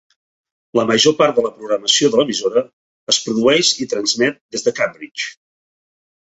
La major part de la programació de l'emissora es produeix i transmet des de Cambridge.